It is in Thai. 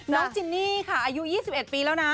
จินนี่ค่ะอายุ๒๑ปีแล้วนะ